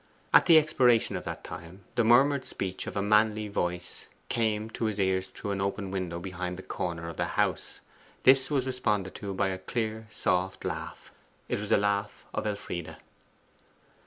At the expiration of that time the murmured speech of a manly voice came out to his ears through an open window behind the corner of the house. This was responded to by a clear soft laugh. It was the laugh of Elfride.